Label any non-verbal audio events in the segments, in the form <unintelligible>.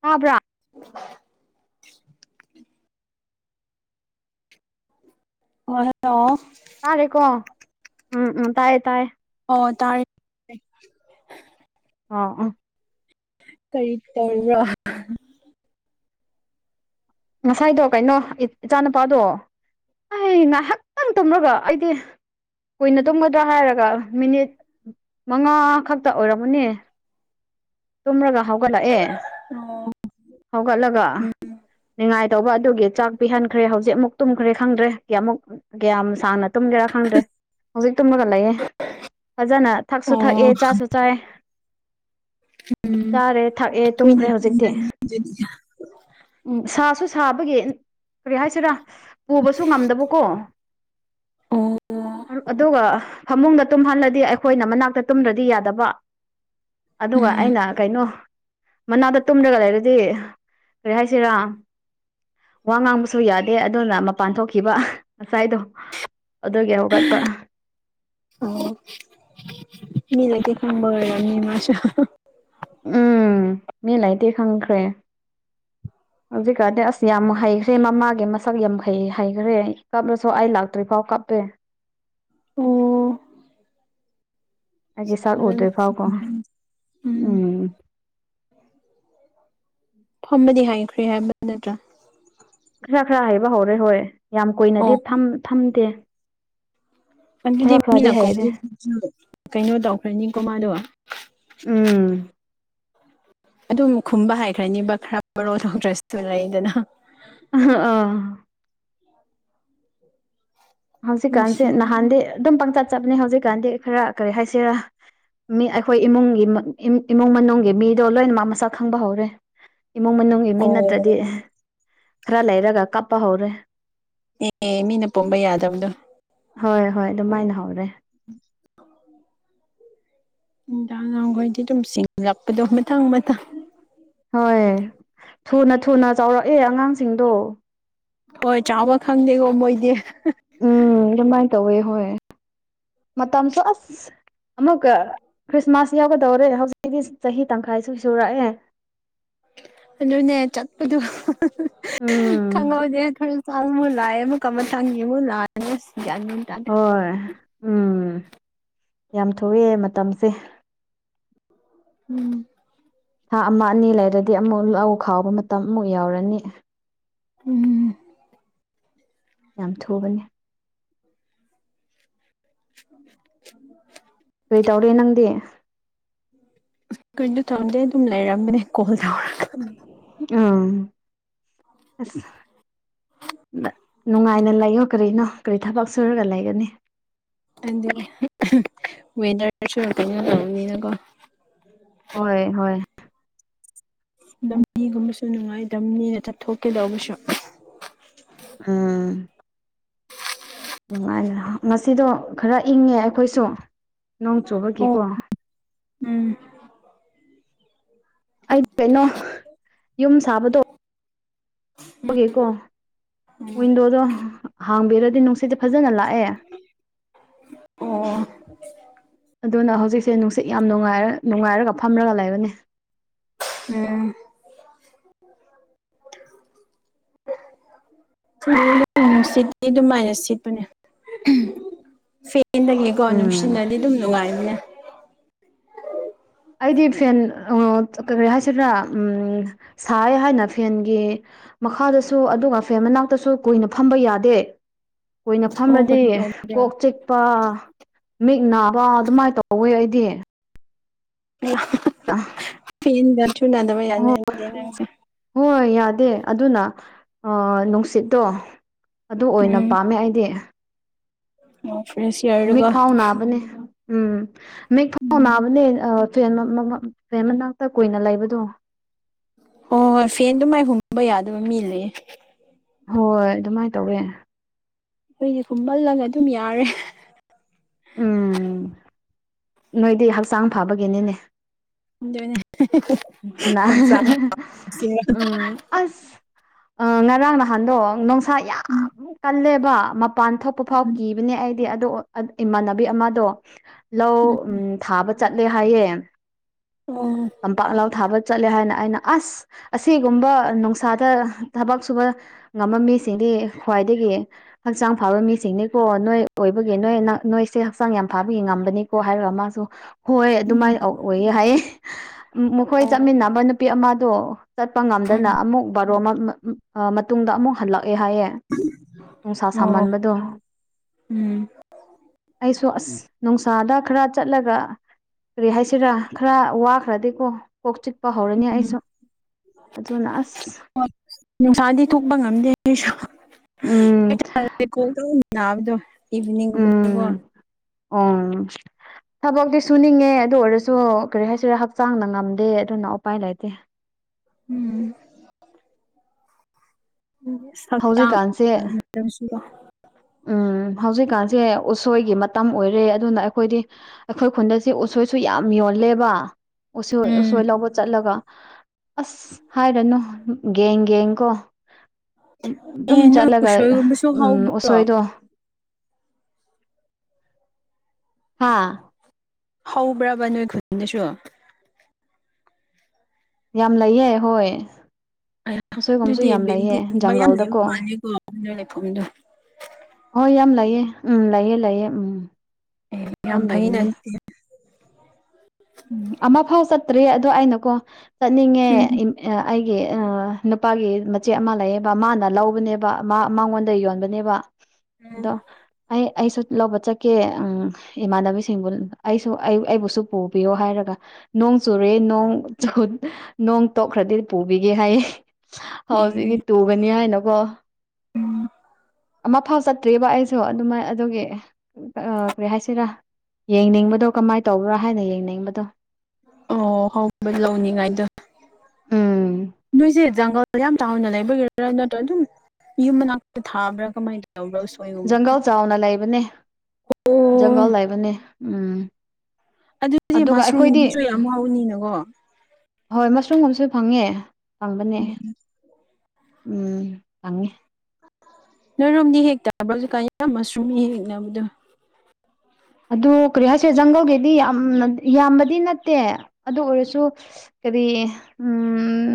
ꯇꯥꯕ꯭ꯔꯥ <unintelligible> <unintelligible> ꯇꯥꯔꯦꯀꯣ ꯎꯝ ꯎꯝ ꯇꯥꯏꯌꯦ ꯇꯥꯏꯌꯦ ꯑꯣ ꯇꯥꯔꯦ ꯑ ꯑ <unintelligible> ꯀꯔꯤ ꯇꯧꯕꯔꯥ ꯉꯁꯥꯏꯗꯣ ꯀꯩꯅꯣ ꯏꯆꯥ ꯅꯨꯨꯄꯥꯗꯣ ꯑꯩ ꯉꯥꯏꯍꯥꯛꯇꯪ ꯇꯨꯝꯂꯒ ꯑꯩꯗꯤ ꯀꯨꯏꯅ ꯇꯨꯝꯒꯗ꯭ꯔꯥ ꯍꯥꯏꯔꯒ ꯃꯤꯅꯤꯠ ꯃꯉꯥ ꯈꯛꯇ ꯑꯣꯏꯔꯝꯃꯅꯦ ꯇꯨꯝꯔꯒ ꯍꯧꯒꯠꯂꯛꯑꯦ ꯑꯣ ꯍꯧꯒꯠꯂꯒ ꯎꯝ ꯉꯥꯏꯇꯧꯕ ꯑꯗꯨꯒꯤ ꯆꯥꯛ ꯄꯤꯍꯟꯈ꯭ꯔꯦ ꯍꯧꯖꯤꯛ ꯑꯃꯨꯛ ꯇꯨꯝꯈ꯭ꯔꯦ ꯈꯪꯗ꯭ꯔꯦ ꯀꯌꯥꯃꯨꯛ ꯀꯌꯥꯝ ꯁꯥꯡꯅ ꯇꯨꯝꯒꯦꯔꯥ ꯈꯪꯗ꯭ꯔꯦ ꯍꯧꯖꯤꯛ ꯇꯨꯝꯃꯒ ꯂꯩꯌꯦ ꯐꯖꯅ ꯊꯛꯁꯨ ꯊꯛꯑꯦ ꯑꯣ ꯆꯥꯁꯨ ꯆꯥꯏ ꯎꯝ ꯆꯥꯔꯦ ꯊꯛꯑꯦ ꯊꯣꯏꯅ ꯇꯨꯝꯈ꯭ꯔꯦ ꯍꯧꯖꯤꯛꯇꯤ <unintelligible> ꯎꯝ ꯁꯥꯁꯨ ꯁꯥꯕꯒꯤ ꯀꯔꯤ ꯍꯥꯏꯁꯤꯔꯥ ꯄꯨꯕꯁꯨ ꯉꯝꯗꯕꯀꯣ ꯑꯣ ꯑꯗꯨꯒ ꯐꯃꯨꯡꯗ ꯇꯨꯝꯍꯜꯂꯗꯤ ꯑꯩꯈꯣꯏꯅ ꯃꯅꯥꯛꯇ ꯇꯨꯝꯗ꯭ꯔꯗꯤ ꯌꯥꯗꯕ ꯑꯗꯨꯒ ꯎꯝ ꯑꯩꯅ ꯀꯩꯅꯣ ꯃꯅꯥꯛꯇ ꯇꯨꯝꯗ꯭ꯔꯒ ꯂꯩꯔꯗꯤ ꯀꯔꯤ ꯍꯥꯏꯁꯤꯔꯥ ꯋꯥ ꯉꯥꯡꯕꯁꯨ ꯌꯥꯗꯦ ꯑꯗꯨꯅ ꯃꯄꯥꯟ ꯊꯣꯛꯈꯤꯕ ꯉꯁꯥꯏꯗꯣ ꯑꯗꯨꯒꯤ ꯍꯧꯒꯠꯄ ꯑꯣ ꯃꯤ ꯂꯩꯇꯦ ꯈꯪꯕ ꯑꯣꯏꯔꯝꯅꯤ ꯃꯁꯨ ꯎꯝ ꯃꯤ ꯂꯩꯇꯦ ꯈꯪꯈ꯭ꯔꯦ ꯍꯧꯖꯤꯛꯀꯥꯟꯗꯤ ꯑꯁ ꯌꯥꯝ ꯍꯩꯈ꯭ꯔꯦ ꯃꯃꯥꯒꯤ ꯃꯁꯛ ꯌꯥꯝ ꯍꯩ ꯍꯩꯈ꯭ꯔꯦ ꯀꯞꯂꯁꯨ ꯑꯩ ꯂꯥꯛꯇ꯭ꯔꯤꯐꯥꯎ ꯀꯞꯄꯦ ꯎꯝ ꯑꯩꯒꯤ ꯁꯛ ꯎꯝ ꯎꯗ꯭ꯔꯤꯐꯥꯎꯀꯣ <unintelligible> ꯎꯝ ꯐꯝꯕꯗꯤ ꯍꯩꯈ꯭ꯔꯦ ꯍꯥꯏꯕ ꯅꯠꯇ꯭ꯔꯥ ꯈꯔ ꯈꯔ ꯍꯩꯕ ꯍꯧꯔꯦ ꯍꯣꯏ ꯌꯥꯝ ꯑꯣ ꯀꯨꯏꯅꯗꯤ ꯐꯝ ꯐꯝꯗꯦ ꯑꯗꯨꯗꯤ ꯈꯔ ꯈꯔꯗꯤ ꯃꯤꯅ ꯍꯩꯔꯦ ꯀꯩꯅꯣ ꯇꯧꯈ꯭ꯔꯅꯤꯀꯣ ꯃꯥꯗꯣ ꯎꯝ ꯑꯗꯨꯝ ꯈꯨꯝꯕ ꯍꯩꯈ꯭ꯔꯅꯤꯕ ꯈꯔ ꯃꯔꯣꯜ ꯊꯣꯛꯇ꯭ꯔꯁꯨ ꯂꯩꯗꯅ ꯑ ꯑꯥ ꯅꯨꯡꯁꯤ ꯍꯧꯖꯤꯛꯀꯥꯟꯁꯦ ꯅꯍꯥꯟꯗꯤ ꯑꯗꯨꯝ ꯄꯪꯆꯠ ꯆꯠꯄꯅꯦ ꯍꯧꯖꯤꯛꯀꯥꯟꯗꯤ ꯈꯔ ꯀꯔꯤ ꯍꯥꯏꯁꯤꯔꯥ ꯃꯤ ꯑꯩꯈꯣꯏ ꯏꯃꯨꯡꯒꯤ ꯏꯃꯨꯡ ꯃꯅꯨꯡꯒꯤ ꯃꯤꯗꯣ ꯂꯣꯏꯅ ꯃꯥ ꯃꯁꯛ ꯈꯪꯕ ꯍꯧꯔꯦ ꯏꯃꯨꯡ ꯃꯅꯨꯡꯒꯤ ꯃꯤ ꯅꯠꯇ꯭ꯔꯗꯤ ꯑꯣ ꯈꯔ ꯂꯩꯔꯒ ꯀꯞꯄ ꯍꯧꯔꯦ ꯑꯦ ꯃꯤꯅ ꯄꯝꯕ ꯌꯥꯗꯕꯗꯣ ꯍꯣꯏ ꯍꯣꯏ ꯑꯗꯨꯃꯥꯏꯅ ꯍꯧꯔꯦ <inaudible> ꯅꯨꯡꯗꯥꯡꯍꯥꯡꯈꯣꯏꯗꯤ ꯑꯗꯨꯝ ꯁꯤꯡꯂꯛꯄꯗꯣ ꯃꯊꯪ ꯃꯊꯪ ꯍꯣꯏ ꯊꯨꯅ ꯊꯨꯅ ꯆꯥꯎꯔꯛꯑꯦ ꯑꯉꯥꯡꯁꯤꯡꯗꯣ ꯍꯣꯏ ꯆꯥꯎꯕ ꯈꯪꯗꯦꯀꯣ ꯃꯣꯏꯗꯤ ꯎꯝ ꯑꯗꯨꯃꯥꯏ ꯇꯧꯋꯦ ꯍꯣꯏ ꯃꯇꯝꯁꯨ ꯑꯁ ꯑꯃꯨꯛꯀ ꯈ꯭ꯔꯤꯁꯃꯥꯁ ꯌꯥꯎꯒꯗꯧꯔꯦ ꯍꯧꯖꯤꯛꯇꯤ ꯆꯍꯤ ꯇꯪꯈꯥꯏ ꯁꯨ ꯁꯨꯔꯛꯑꯦ ꯑꯗꯨꯅꯦ ꯆꯠꯄꯗꯣ ꯎꯝ ꯈꯪꯍꯧꯗꯦ ꯆꯪꯨ ꯂꯥꯛꯑꯦ ꯑꯃꯨꯛ ꯑꯃ ꯆꯪꯉꯦ ꯑꯃꯨꯛ ꯂꯥꯛꯑ ꯁꯤ ꯌꯥ <unintelligible> ꯍꯣꯏ ꯎꯝ ꯌꯥꯝ ꯊꯨꯏꯑꯦ ꯃꯇꯝꯁꯦ ꯎꯝ ꯍꯥ ꯑꯃ ꯑꯅꯤ ꯂꯩꯔꯗꯤ ꯑꯃꯨꯛ ꯂꯧ ꯈꯥꯎꯕ ꯃꯇꯝ ꯑꯃꯨꯛ ꯌꯥꯎꯔꯅꯤ ꯎꯝ ꯌꯥꯝ ꯊꯨꯕꯅꯦ ꯎ ꯀꯩ ꯇꯧꯔꯦ ꯅꯪꯗꯤ ꯀꯩꯅꯣ ꯇꯧꯗꯦ ꯑꯗꯨꯝ ꯂꯩꯔꯝꯕꯅꯦ ꯀꯣꯜ ꯇꯧꯔꯒ ꯎ ꯑ ꯅꯨꯡꯉꯥꯏꯅ ꯂꯩꯌꯣ ꯀꯔꯤꯅꯣ ꯀꯔꯤ ꯊꯕꯛ ꯁꯨꯔꯒ ꯂꯩꯒꯅꯤ ꯑꯗꯒꯤ ꯋꯗꯔꯁꯨꯅ ꯂꯕꯅꯤꯅꯀꯣ ꯍꯣꯏ ꯍꯣꯏ ꯂꯝꯕꯤ ꯒꯨꯝꯕꯁꯨ ꯅꯨꯡꯉꯥꯏꯇꯕꯅꯤ ꯆꯠꯊꯣꯛꯀꯦ ꯇꯧꯕꯁꯨ ꯑꯝ ꯅꯨꯡꯉꯥꯏꯅ ꯉꯁꯤꯗꯣ ꯈꯔ ꯏꯪꯉꯦ ꯑꯩꯈꯣꯏꯁꯨ ꯅꯣꯡ ꯑꯣ ꯆꯨꯕꯒꯤꯀꯣ ꯎꯝ ꯑꯩꯗꯤ ꯀꯩꯅꯣ ꯌꯨꯝ ꯁꯥꯕꯗꯣ ꯀꯣ ꯋꯤꯟꯗꯣꯗꯣ ꯍꯥꯡꯕꯤꯔꯗꯤ ꯅꯨꯡꯁꯤꯠꯇꯤ ꯐꯖꯅ ꯂꯥꯛꯑꯦ ꯑꯣ ꯑꯗꯨꯅ ꯍꯧꯖꯤꯛꯁꯦ ꯅꯨꯡꯁꯤꯠ ꯌꯥꯝ ꯅꯨꯡꯉꯥꯏꯔꯦ ꯅꯨꯡꯉꯥꯏꯔꯒ ꯐꯝꯂꯒ ꯂꯩꯕꯅꯤ ꯎꯝ ꯎꯝ <unintelligible> ꯅꯨꯡꯁꯤꯠꯇꯤ ꯑꯗꯨꯃꯥꯏꯅ ꯁꯤꯠꯄꯅꯦ ꯐꯦꯟꯗꯒꯤꯀꯣ ꯎꯝ ꯅꯨꯡꯁꯤꯅꯗꯤ ꯑꯗꯨꯝ ꯅꯨꯡꯉꯥꯏꯅꯤꯅꯦ ꯑꯩꯗꯤ ꯐꯦꯟ ꯀꯔꯤ ꯍꯥꯏꯁꯤꯗ꯭ꯔꯥ ꯁꯥꯏ ꯍꯥꯏꯅ ꯐꯦꯟꯒꯤ ꯃꯈꯥꯗꯁꯨ ꯑꯗꯨꯒ ꯐꯦꯝ ꯃꯅꯥꯛꯇꯁꯨ ꯀꯨꯏꯅ ꯐꯝꯕ ꯌꯥꯗꯦ ꯅ ꯑꯣ ꯐꯝꯃꯗꯤ ꯀꯔꯤ ꯇꯧꯕ꯭ꯔꯥ ꯀꯣꯛ ꯆꯤꯛꯄ ꯃꯤꯛ ꯅꯥꯕ ꯑꯗꯨꯃꯥꯏꯅ ꯇꯧꯋꯦ ꯑꯩꯗꯤ ꯎ ꯑ ꯐꯤꯟꯗ ꯆꯗ ꯍ ꯍꯣꯏ ꯌꯥꯗꯦ ꯑꯗꯨꯅ ꯅꯨꯡꯁꯤꯠꯇꯣ ꯑꯗꯨ ꯑꯣꯏꯅ ꯎꯝ ꯄꯥꯝꯃꯦ ꯑꯩꯗꯤ ꯑꯣ ꯐꯦꯁꯤ ꯌꯥ ꯃꯤ ꯈꯥꯎꯅꯕꯅꯤ ꯎꯝ ꯃ ꯎꯝ ꯃꯥꯕꯅꯦ ꯐꯦꯟ ꯐꯦꯟ ꯃꯅꯥꯛꯇ ꯀꯨꯏꯅ ꯂꯩꯕꯗꯣ ꯑꯣ ꯍꯣꯏ ꯐꯦꯟꯗꯨ ꯃꯥꯏ ꯍꯨꯝꯕ ꯌꯥꯗꯕ ꯃꯤ ꯂꯩꯌꯦ ꯍꯣꯏ ꯑꯗꯨꯃꯥꯏꯅ ꯇꯧꯔꯦ ꯑꯩꯈꯣꯏꯁ ꯈꯨꯝꯃꯜꯂꯒ ꯑꯗꯨꯝ ꯌꯥꯔꯦ ꯎꯝ ꯅꯣꯏꯗꯤ ꯍꯛꯆꯥꯡ ꯐꯕꯒꯤꯅꯤꯅꯦ ꯍꯣꯏꯅꯦ <unintelligible> ꯁꯤꯔ ꯎꯝ ꯑꯁ ꯑ ꯉꯔꯥꯡ ꯅꯍꯥꯟꯗꯣ ꯅꯨꯡꯁꯥ ꯌꯥꯝ ꯀꯜꯂꯦꯕ ꯃꯄꯥꯟ ꯊꯣꯛꯄ ꯐꯥꯎ ꯀꯤꯕꯅꯦ ꯑꯩꯗꯤ ꯑꯗꯨ ꯏꯃꯥꯟꯅꯕꯤ ꯑꯃꯗꯣ ꯂꯧ ꯎꯝ ꯊꯥꯕ ꯆꯠꯂꯦ ꯍꯥꯏꯌꯦ꯫ ꯑ ꯄꯥꯛꯂꯥꯎ ꯊꯥꯕ ꯆꯠꯂꯦ ꯍꯥꯏꯅ ꯑꯩꯅ ꯑꯁ ꯑꯁꯤꯒꯨꯝꯕ ꯅꯨꯡꯁꯥꯗ ꯊꯕꯛ ꯁꯨꯕ ꯉꯝꯕ ꯃꯤꯁꯤꯡꯗꯤ ꯈ꯭ꯋꯥꯏꯗꯒꯤ ꯍꯛꯆꯥꯡ ꯐꯥꯕ ꯃꯤꯁꯤꯡꯅꯤꯀꯣ ꯅꯣꯏ ꯑꯣꯏꯕꯒꯤ ꯅꯣꯏ ꯅꯣꯏꯁꯦ ꯍꯛꯆꯥꯡ ꯌꯥꯝ ꯐꯥꯕꯒꯤ ꯉꯝꯕꯅꯤ꯫ ꯀꯣ ꯍꯥꯏꯔꯒ ꯃꯥꯁꯨ ꯍꯣꯏ ꯎꯝ ꯎꯝ ꯑꯗꯨꯃꯥꯏꯅ ꯑꯣꯏꯌꯦ ꯍꯥꯏꯌꯦ꯫ ꯃꯈꯣꯏ ꯑꯣ ꯆꯠꯃꯤꯟꯅꯕ ꯅꯨꯄꯤ ꯑꯃꯗꯣ ꯆꯠꯄ ꯉꯝꯗꯅ ꯑꯃꯨꯛ ꯕꯥꯔꯣ ꯃ ꯃꯇꯨꯡꯗ ꯑꯃꯨꯛ ꯍꯜꯂꯛꯑꯦ ꯍꯥꯏꯌꯦ ꯅꯨꯡꯁꯥ ꯁꯥꯃꯟꯕꯗꯣ ꯎꯝ ꯑꯩꯁꯨ ꯑꯁ ꯅꯨꯡꯁꯥꯗ ꯈꯔ ꯆꯠꯂꯒ ꯀꯔꯤ ꯍꯥꯏꯁꯤꯔꯥ ꯈꯔ ꯋꯥꯈꯔꯗꯤ ꯑꯣ ꯀꯣꯛ ꯆꯤꯛꯄ ꯍꯧꯔꯅꯤ ꯎꯝ ꯑꯩꯁꯨ ꯑꯗꯨꯅ ꯑꯁ ꯅꯨꯡꯁꯥꯗꯤ ꯊꯣꯛꯄ ꯉꯝꯗꯦ ꯑꯩꯁꯨ ꯎꯝ <unintelligible> ꯅꯥꯕꯗꯣ ꯏꯚꯤꯅꯤꯡ ꯒꯨꯝꯕꯗꯀꯣ ꯎꯝ ꯎꯝ ꯊꯕꯛꯇꯤ ꯁꯨꯅꯤꯡꯉꯦ ꯑꯗꯨ ꯑꯣꯏꯔꯁꯨ ꯀꯔꯤ ꯍꯥꯏꯁꯤꯔ ꯍꯛꯆꯥꯡꯅ ꯉꯝꯗꯦ ꯑꯗꯨꯅ ꯎꯄꯥꯏ ꯂꯩꯇꯦ꯫ ꯎꯝ ꯍꯧꯖꯤꯛꯀꯥꯟꯁꯦ <unintelligible> ꯎꯝ ꯍꯧꯖꯤꯛꯀꯥꯟꯁꯦ ꯎꯁꯣꯏꯒꯤ ꯃꯇꯝ ꯑꯣꯏꯔꯦ ꯑꯗꯨꯅ ꯑꯩꯈꯣꯏꯗꯤ ꯑꯩꯈꯣꯏ ꯈꯨꯟꯗ ꯑꯁꯤ ꯎꯁꯣꯏꯁꯨ ꯌꯥꯝ ꯌꯜꯂꯦꯕ ꯎꯁꯣꯏ ꯎꯝ ꯎꯁꯣꯏ ꯂꯧꯕ ꯆꯠꯂꯒ ꯑꯁ ꯍꯥꯏꯔꯅꯨ ꯒꯦꯡ - ꯒꯦꯡ ꯀꯣ ꯑꯗꯨꯝ ꯑꯦ ꯅꯣꯏ ꯆꯠꯂꯒ ꯎꯁꯣꯏꯒꯨꯝꯕꯁꯨ ꯎꯝ ꯍꯧꯕ꯭ꯔꯣ ꯎꯁꯣꯏꯗꯣ ꯍꯥꯥ ꯍꯧꯕ꯭ꯔꯕ ꯅꯣꯏ ꯈꯨꯟꯗꯁꯨ? ꯌꯥꯝ ꯂꯩꯌꯦ ꯍꯣꯏ꯫ ꯑꯌꯥ ꯎꯁꯣꯏꯒꯨꯝꯕꯁꯨ ꯑꯗꯨꯗꯤ ꯌꯥꯝ ꯂꯩꯌꯦ ꯕꯦꯝꯕꯒꯨꯝꯕ ꯌꯥꯝ ꯂꯩꯕ ꯖꯪꯒꯜꯗꯀꯣ ꯃꯥꯜꯂꯤꯀꯣ ꯅꯣꯏꯒꯤ ꯈꯨꯟꯗꯣ꯫ ꯍꯣꯏ ꯌꯥꯝ ꯂꯩꯑꯦ ꯎꯝ ꯂꯩꯑꯦ ꯂꯩꯑꯦ ꯎꯝ꯫ ꯑꯦ ꯌꯥꯝ ꯐꯩꯅ ꯑꯗꯨꯗꯤ꯫ ꯎꯝ ꯑꯃꯐꯥꯎ ꯆꯠꯇ꯭ꯔꯤ ꯑꯗꯣ ꯑꯩꯅꯀꯣ ꯆꯠꯅꯤꯡꯉꯦ ꯎꯝ ꯑ ꯑꯩꯒꯤ ꯅꯨꯄꯥꯒꯤ ꯃꯆꯦ ꯑꯃ ꯂꯩꯌꯦꯕ ꯃꯥꯅ ꯂꯧꯕꯅꯦꯕ ꯃꯉꯣꯟꯗ ꯌꯣꯟꯕꯅꯦꯕ ꯑꯗꯣ ꯑꯩ ꯑꯩꯁꯨ ꯂꯧꯕ ꯆꯠꯀꯦ ꯎꯝ ꯏꯃꯥꯟꯅꯕꯤꯁꯤꯡꯕꯨ ꯑꯩꯁꯨ ꯑꯩ ꯑꯩꯕꯨꯁꯨ ꯄꯨ ꯌꯣ ꯍꯥꯏꯔꯒ ꯅꯣꯡ ꯆꯨꯔꯦ ꯅꯣꯡ ꯆꯣ ꯅꯣꯡ ꯇꯣꯛꯈ꯭ꯔꯗꯤ ꯄꯨꯕꯤꯒꯦ ꯍꯥꯏꯌꯦ ꯍꯧꯖꯤꯛꯀꯤ ꯑꯦ ꯇꯨꯒꯅꯤ ꯍꯥꯏꯅꯀꯣ꯫ ꯑꯃꯐꯥꯎ ꯆꯠꯇ꯭ꯔꯤꯕ ꯑꯩꯁꯨ ꯑꯗꯨꯃꯥꯏ ꯑꯗꯨꯒꯤ ꯀꯔꯤ ꯍꯥꯏꯁꯤꯔꯥ ꯌꯦꯡꯅꯤꯡꯕꯗꯣ ꯀꯃꯥꯏ ꯇꯧꯕ꯭ꯔꯥ ꯍꯥꯏꯅ ꯌꯦꯡꯅꯤꯡꯕꯗꯣ ꯑꯣ ꯍꯧꯕ ꯂꯧꯅꯤꯡꯉꯥꯏꯗꯣ ꯎꯝ ꯅꯣꯏꯁꯦ ꯖꯪꯒꯜ ꯌꯥꯝ ꯆꯥꯎꯗ ꯂꯩꯕꯒꯤꯔꯥ ꯅꯠꯇ꯭ꯔꯒ ꯑꯗꯨꯝ ꯌꯨꯝ ꯃꯅꯥꯛꯇ ꯊꯥꯕ꯭ꯔꯥ ꯀꯃꯥꯏꯅ ꯇꯧꯕ꯭ꯔ? ꯖꯪꯒꯜ ꯆꯥꯎꯅ ꯂꯩꯕꯅꯦ ꯑꯣ ꯖꯪꯒꯜ ꯂꯩꯕꯅꯦ ꯎꯝ꯫ ꯑꯗꯨꯗꯤ ꯑꯗꯨꯒ ꯑꯩꯈꯣꯏꯗꯤ ꯃꯁꯔꯨꯝꯒꯨꯝꯕꯁꯨ ꯌꯥꯝ ꯍꯥꯎꯅꯤꯅꯀꯣ꯫ ꯍꯣꯏ ꯃꯁꯔꯨꯝꯒꯨꯝꯕꯁꯨ ꯐꯪꯉꯦ ꯐꯪꯕꯅꯦ ꯎꯝ ꯎꯝ ꯐꯪꯉꯦ꯫ ꯅꯣꯏꯔꯣꯝꯗꯤ ꯍꯦꯛꯇꯕ꯭ꯔ ꯍꯧꯖꯥꯛꯀꯥꯟ ꯌꯥꯝ ꯃꯁꯔꯨꯝ ꯍꯦꯛꯅꯕꯗꯣ꯫ ꯑꯗꯨ ꯀꯔꯤ ꯍꯥꯏꯁꯦ ꯖꯪꯒꯜꯒꯤꯗꯤ ꯌꯥꯝꯅ ꯌꯥꯝꯕꯗꯤ ꯅꯠꯇꯦ ꯑꯗꯨ ꯑꯣꯏꯔꯁꯨ ꯀꯔꯤ ꯎꯝ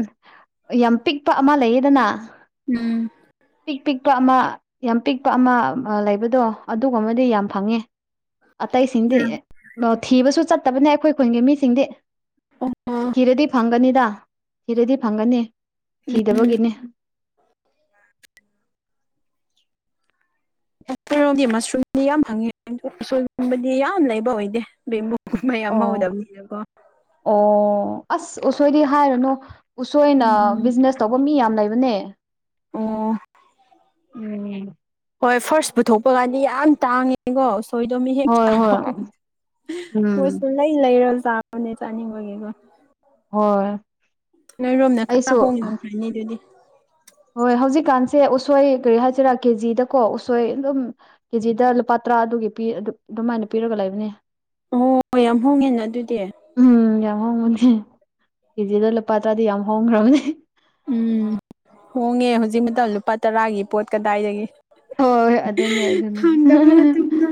ꯌꯥꯝ ꯄꯤꯛꯄ ꯑꯃ ꯂꯩꯌꯦꯗꯅ ꯎꯝ ꯄꯤꯛ ꯄꯤꯛꯄ ꯑꯃ ꯌꯥꯝ ꯄꯤꯛꯄ ꯑꯃ ꯂꯩꯕꯗꯣ ꯑꯗꯨꯒꯨꯝꯕꯗꯤ ꯌꯥꯝ ꯐꯪꯉꯦ꯫ ꯑꯇꯩꯁꯤꯡꯗꯤ ꯊꯤꯕꯁꯨ ꯆꯠꯇꯕꯅꯦ ꯑꯩꯈꯣꯏ ꯈꯨꯟꯒꯤ ꯃꯤꯁꯤꯡꯗꯤ꯫ ꯑꯣ ꯊꯤꯔꯗꯤ ꯐꯪꯒꯅꯤꯗ ꯊꯤꯔꯗꯤ ꯐꯪꯒꯅꯤ ꯊꯤꯗꯕꯒꯤꯅꯤ꯫ <inaudible> ꯔꯣꯗꯤ ꯃꯁꯔꯨꯝꯗꯤ ꯌꯥꯝ ꯐꯪꯉꯤ ꯑꯁꯣꯏꯒꯨꯝꯕꯗꯤ ꯌꯥꯝ ꯂꯩꯕ ꯑꯣꯏꯗꯦ ꯕꯦꯝꯕꯨ ꯃꯌꯥꯝ ꯑꯣ ꯍꯧꯒꯗꯕꯅꯤꯅꯀꯣ ꯑꯣ ꯑꯁ ꯎꯁꯣꯏꯗꯤ ꯍꯥꯏꯔꯅꯨ ꯎꯁꯣꯏꯅ ꯎꯝ ꯕꯤꯖꯤꯅꯦꯁ ꯇꯧꯕ ꯃꯤ ꯌꯥꯝꯅ ꯂꯩꯕꯅꯦ ꯑꯣ ꯎꯝ ꯍꯣꯏ ꯐꯥꯔꯁ ꯄꯨꯊꯣꯛꯄ ꯀꯥꯟꯗꯤ ꯌꯥꯝ ꯇꯥꯡꯉꯦꯀꯣ ꯊꯣꯏꯗꯣꯃꯤ ꯍꯦꯛ ꯍꯣꯏ ꯆꯥ ꯍꯣꯏ ꯎꯝ ꯍꯣꯏꯁꯨ ꯂꯩ ꯂꯩꯔ ꯆꯥꯔꯕꯅꯦ ꯆꯥꯅꯤꯡꯕꯒꯤꯀ ꯍꯣꯏ ꯅꯣꯏꯔꯣꯝꯅ ꯈꯔ ꯑꯩꯁꯨ ꯍꯣꯡ ꯌꯥꯝꯈ꯭ꯔꯅꯤ ꯑꯗꯨꯗꯤ ꯍꯣꯏ ꯍꯧꯖꯤꯛꯀꯥꯟꯁꯦ ꯎꯁꯣꯏ ꯀꯔꯤ ꯍꯥꯏꯁꯤꯔꯥ ꯀꯦꯖꯤꯗꯀꯣ ꯎꯁꯣꯏ ꯑꯗꯨꯝ ꯀꯦꯖꯤꯗ ꯂꯨꯄꯥ ꯇꯔꯥ ꯑꯗꯨꯒꯤ ꯄꯤ ꯑꯗꯨ ꯑꯗꯨꯃꯥꯏꯅ ꯄꯤꯔꯒ ꯂꯩꯕꯅꯦ ꯑꯣ ꯍꯣꯏ ꯌꯥꯝ ꯍꯣꯡꯉꯦꯅ ꯑꯗꯨꯗꯤ ꯎꯝ ꯌꯥꯝ ꯍꯣꯡꯕꯅꯤ ꯀꯦꯖꯤꯗ ꯂꯨꯄꯥ ꯇꯔꯥꯗꯤ ꯌꯥꯝ ꯍꯣꯡꯈ꯭ꯔꯕꯅꯦ ꯎꯝ ꯍꯣꯡꯉꯦ ꯍꯧꯖꯤꯛ ꯃꯇꯝ ꯂꯨꯄꯥ ꯇꯔꯥꯒꯤ ꯄꯣꯠ ꯀꯗꯥꯏꯗꯒꯤ ꯍꯣꯏ ꯍꯣꯏ ꯍꯣꯏ ꯑꯗꯨꯅꯦ ꯑꯗꯨꯅꯦ ꯍꯥꯡꯗꯕ ꯃꯇꯝꯗ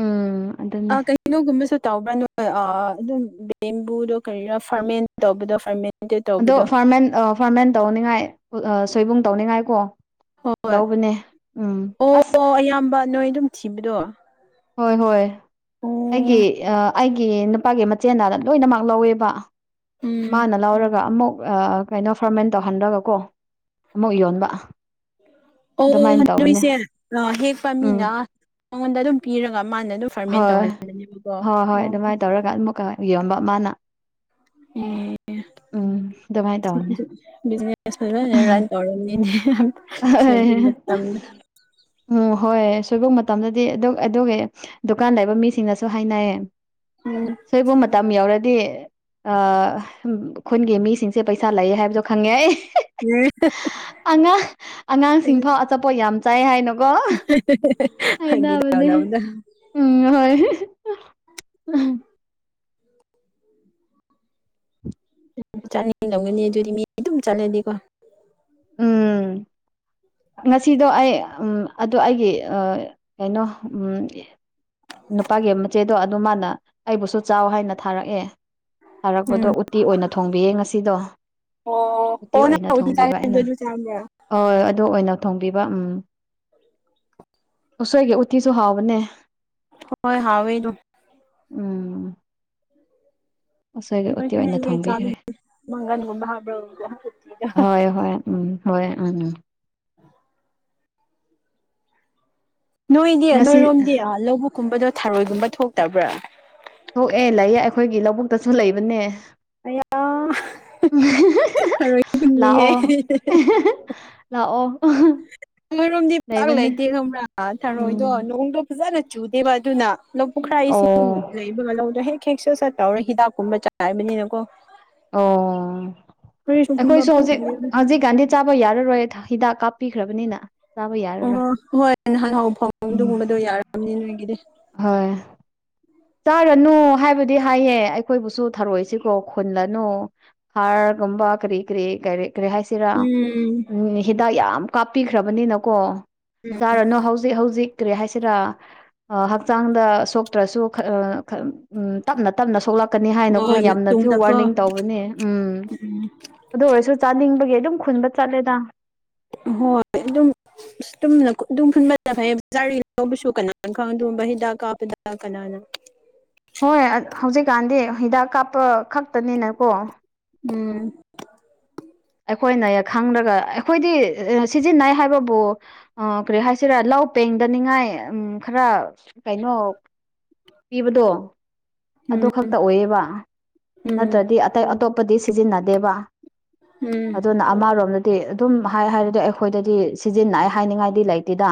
ꯎꯝ ꯑꯗꯨꯅꯦ ꯑ ꯀꯩꯅꯣꯒꯨꯝꯕꯁꯨ ꯇꯧꯕ꯭ꯔꯥ ꯅꯣꯏ ꯑꯗꯨꯝ ꯕꯦꯝꯕꯨꯗꯣ ꯀꯔꯤꯔꯣ ꯐꯥꯔꯃꯦꯟ ꯇꯧꯕꯗꯣ ꯐꯔꯃꯦꯟ ꯑꯗꯣ ꯐꯥꯔꯃꯦꯟ ꯐꯥꯔꯃꯦꯟ ꯇꯧꯅꯤꯡꯉꯥꯏ ꯁꯣꯏꯕꯨꯡ ꯇꯧꯅꯤꯡꯉꯥꯏꯀꯣ ꯍꯣꯏ ꯂꯧꯕꯅꯦ ꯎꯝ ꯑꯁ ꯑꯣ ꯑꯌꯥꯝꯕ ꯅꯣꯏ ꯑꯗꯨꯝ ꯊꯤꯕꯗꯣ ꯑꯣ ꯍꯣꯏ ꯍꯣꯏ ꯑꯩꯒꯤ ꯑꯩ ꯒꯤ ꯅꯨꯄꯥꯒꯤ ꯃꯆꯦꯅ ꯂꯣꯏꯅꯃꯛ ꯂꯧꯋꯦꯕ ꯎꯝ ꯃꯥꯅ ꯂꯧꯔꯒ ꯑꯃꯨꯛ ꯀꯩꯅꯣ ꯐꯔꯃꯦꯟ ꯇꯧꯍꯟꯂꯒꯀꯣ ꯑꯃꯨꯛ ꯌꯣꯟꯕ ꯑꯣ ꯑꯗꯨꯃꯥꯏꯅ ꯇꯧꯕꯅꯦ ꯅꯣꯏꯁꯦ ꯑꯥ ꯍꯦꯛꯄ ꯎꯝ ꯃꯤꯅ ꯃꯉꯣꯟꯗ ꯑꯗꯨꯝ ꯄꯤꯔꯒ ꯃꯥꯅ ꯑꯗꯨꯝ ꯐꯔꯃꯦꯟ ꯇꯧꯍꯜꯂꯅꯦꯕꯀꯣ ꯑꯣ ꯑꯃꯨꯀ ꯌꯣꯟꯕ ꯃꯥꯅ ꯎꯝ ꯎꯝ ꯑꯗꯨꯃꯥꯏꯅ ꯇꯧꯕꯅꯦ ꯗꯨꯅꯦ ꯕꯤꯖꯤꯅꯦꯁ ꯐꯖꯅ ꯔꯟ ꯇꯩꯔꯝꯅꯤꯅꯦ ꯎꯝ ꯍꯣꯏ ꯁꯣꯏꯕꯣꯝ ꯃꯇꯝꯗꯗꯤ ꯑꯗꯨ ꯑꯗꯨꯒ ꯗꯨꯀꯥꯟ ꯂꯩꯕ ꯃꯤꯁꯤꯡꯅꯁꯨ ꯍꯥꯏꯅꯩ ꯎꯝ ꯁꯣꯏꯕꯨ ꯃꯇꯝ ꯌꯧꯔꯗꯤ ꯈꯨꯟꯒꯤ ꯃꯤꯁꯤꯡꯁꯦ ꯄꯩꯁꯥ ꯂꯩ ꯍꯥꯏꯕꯁꯨꯣ ꯈꯪꯉꯦ ꯑꯩ ꯍꯍ ꯍꯥ ꯑꯉꯥꯡꯁꯤꯡꯐꯥꯎ ꯑꯆꯥꯄꯣꯠ ꯌꯥꯝ ꯆꯥꯏ ꯍꯥꯏꯅꯨꯀꯣ ꯍꯥꯏ ꯐꯥꯒꯤ ꯇꯕꯅꯦ ꯇꯧꯅꯕꯗ ꯎꯝ ꯍꯣꯏ ꯆꯥꯅꯤꯡꯗꯒꯅꯤ ꯑꯗꯨꯗꯤ ꯃꯤ ꯑꯗꯨꯝ ꯆꯠꯂꯗꯤꯀꯣ ꯎꯝ ꯉꯁꯤꯗꯣ ꯑꯩ ꯑꯗꯣ ꯑꯩꯒꯤ ꯀꯩꯅꯣ ꯅꯨꯄꯥꯒꯤ ꯃꯆꯦꯗꯣ ꯑꯗꯨ ꯃꯥꯅ ꯑꯩꯕꯨꯁꯨ ꯆꯥꯎ ꯍꯥꯏꯅ ꯊꯥꯔꯛꯑꯦ ꯎꯝ ꯊꯥꯔꯛꯄꯗꯣ ꯎꯠꯇꯤ ꯑꯣꯏꯅ ꯊꯣꯡꯕꯤꯌꯦ ꯉꯁꯤꯗꯣ ꯑꯣ ꯍꯣꯅ ꯍꯧ ꯆ ꯆꯗ ꯍ ꯑꯗꯨ ꯑꯣꯏꯅ ꯊꯣꯡꯕꯤꯕ ꯎꯝ <unintelligible> ꯑꯁꯣꯏꯒꯤ ꯎꯇꯤꯁꯨ ꯍꯥꯎꯕꯅꯦ ꯍꯣꯏ ꯍꯥꯎꯋꯦꯗꯨ ꯎꯝ ꯑꯣꯁꯣꯏꯒꯤ ꯑꯣꯇꯤ ꯑꯣꯏꯅ ꯑꯩꯈꯣꯏ ꯆꯥꯕ ꯊꯣꯡꯕꯤꯈ꯭ꯔꯦ ꯃꯪꯒꯟꯒꯨꯝꯕ ꯍꯥꯞꯄ꯭ꯔꯣ ꯍꯣꯏ ꯍꯣꯏ ꯎꯝ ꯍꯣꯏ ꯑ <unintelligible> ꯅꯣꯏꯗꯤ ꯉꯁꯤ ꯅꯣꯏꯔꯣꯝꯗꯤ ꯂꯧꯕꯨꯛꯀꯨꯝꯕꯗꯣ ꯊꯥꯔꯣꯏꯒꯨꯝꯕ ꯊꯣꯛꯇꯕ꯭ꯔꯥ ꯊꯣꯛꯑꯦ ꯂꯩꯌꯦ ꯑꯩꯈꯣꯏꯒꯤ ꯂꯧꯕꯨꯛꯇꯁꯨ ꯂꯩꯕꯅꯦ ꯑꯌꯥ ꯊꯔꯣꯏꯒꯨꯝꯅꯤꯍꯦ ꯂꯥꯛꯑꯣ ꯂꯥꯛꯑꯣ ꯅꯣꯏꯔꯣꯝꯗꯤ ꯄꯥꯛ ꯂꯩꯕꯅꯦ ꯂꯩꯇꯦ ꯈꯪꯕ꯭ꯔꯥ ꯊꯔꯣꯏꯗꯣ ꯎꯝ ꯅꯣꯡꯗꯣ ꯐꯖꯅ ꯆꯨꯗꯦꯕ ꯑꯗꯨꯅ ꯂꯧ ꯄꯨꯈ꯭ꯔꯥ ꯑꯣ ꯏꯁꯤꯡ ꯂꯩꯕꯒ ꯂꯧꯗꯣ ꯍꯦꯛ ꯍꯦꯛꯆꯠ ꯁꯠꯠꯇꯧꯔ ꯍꯤꯗꯥꯛꯀꯨꯝꯕ ꯆꯥꯛꯥꯏꯕꯅꯤꯅꯀꯣ ꯑꯣ ꯑꯩꯈꯣꯏꯁꯨ ꯍꯧꯖꯤꯛ ꯐꯪꯗꯦꯕ ꯍꯧꯖꯤꯛ ꯒꯥꯟꯗꯤ ꯆꯥꯕ ꯌꯥꯔꯔꯣꯏ ꯍꯤꯗꯥꯛ ꯀꯥꯞꯄꯤꯈ꯭ꯔꯕꯅꯤꯅ ꯆꯥꯕ ꯌꯥꯔꯔꯣꯏ ꯑꯣ ꯍꯣꯏ ꯅꯍꯥꯟ ꯍꯥꯎ ꯐ ꯎꯝ ꯑꯗꯨꯒꯨꯝꯕꯗꯣ ꯌꯥꯔꯕꯅꯤ ꯅꯣꯏꯒꯤꯗꯤ ꯍꯣꯏ ꯆꯥꯔꯅꯨ ꯍꯥꯏꯕꯗꯤ ꯍꯥꯏꯌꯦ ꯑꯩꯈꯣꯏꯕꯨꯁꯨ ꯊꯔꯛꯏꯁꯤꯀꯣ ꯈꯨꯜꯂꯅꯨ ꯍꯥꯔꯒꯨꯝꯕ ꯀꯔꯤ ꯀꯔꯤ ꯀꯔꯤ ꯀꯔꯤ ꯍꯥꯏꯁꯤꯔꯥ ꯎꯝ ꯎꯝ ꯍꯤꯗꯥꯛ ꯌꯥꯝ ꯀꯥꯞꯄꯤꯈ꯭ꯔꯕꯅꯤꯅꯀꯣ ꯆꯥꯔꯅꯨ ꯍꯧꯖꯤꯛ ꯍꯧꯖꯤꯛ ꯀꯔꯤ ꯍꯥꯏꯁꯤꯔꯥ ꯍꯛꯆꯥꯡꯗ ꯁꯣꯛꯇ꯭ꯔꯁꯨ ꯎꯝ ꯇꯞꯅ ꯇꯞꯅ ꯁꯣꯛꯂꯛꯀꯅꯤ ꯍꯥꯏꯅꯀꯣ ꯍꯣꯏ ꯌꯥꯝꯅꯁꯨ ꯃꯇꯨꯡꯗꯀꯣ ꯋꯥꯔꯅꯤꯡ ꯇꯧꯕꯅꯦ ꯎꯝ ꯎꯝ ꯑꯗꯨ ꯑꯣꯏꯔꯁꯨ ꯆꯥꯅꯤꯡꯕꯒꯤ ꯑꯗꯨꯝ ꯈꯨꯟꯕ ꯆꯠꯂꯦꯗ ꯍꯣꯏ ꯑꯗꯨꯝ ꯑꯅ ꯑꯗꯨꯝꯟꯕꯗ ꯐꯩꯌꯦ ꯕꯖꯥꯔꯤ ꯂꯧꯕꯁꯨ ꯀꯅꯥꯅ ꯈꯪ ꯑꯗꯨꯒꯨꯝꯕ ꯍꯤꯗꯥꯛ ꯀꯥꯞꯄꯗ ꯀꯅꯥꯅ <unintelligible> ꯍꯣꯏ ꯍꯧꯖꯤꯛꯀꯥꯟꯗꯤ ꯍꯤꯗꯥꯛ ꯀꯥꯞꯄ ꯈꯛꯇꯅꯤꯅꯀꯣ ꯎꯝ ꯑꯩꯈꯣꯏꯅ ꯈꯪꯗꯒ ꯑꯩꯈꯣꯏꯗꯤ ꯁꯤꯖꯤꯟꯅꯩ ꯍꯥꯏꯕꯕꯨ ꯑ ꯀꯔꯤ ꯍꯥꯏꯁꯤꯔꯥ ꯂꯧ ꯄꯦꯡꯗꯅꯤꯡꯉꯥꯏ ꯎꯝ ꯈꯔ ꯀꯩꯅꯣ ꯄꯤꯕꯗꯣ ꯑꯗꯨ ꯎꯝ ꯈꯛꯇ ꯑꯣꯏꯌꯦꯕ ꯎꯝ ꯅꯠꯇ꯭ꯔꯗꯤ ꯑꯇꯩ ꯑꯇꯣꯞꯄꯗꯤ ꯁꯤꯖꯤꯟꯅꯗꯦꯕ ꯎꯝ ꯑꯗꯨꯅ ꯑꯃꯔꯣꯝꯗꯗꯤ ꯑꯗꯨꯝ ꯍꯥꯏ ꯍꯥꯏꯔꯗꯤ ꯑꯩꯈꯣꯏꯗꯗꯤ ꯁꯤꯖꯤꯟꯅꯥꯏ ꯍꯥꯏꯅꯤꯡꯉꯥꯏꯗꯤ ꯂꯩꯇꯦꯗ